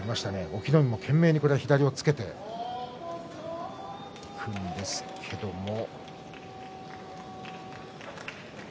隠岐の海も懸命に左を押っつけて組むんですけれども。